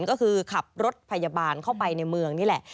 ก็คือขับรถพยาบาลเข้าไปในเมืองนี่แหละ